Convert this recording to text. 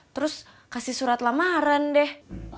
terus kasih surat lamaran deh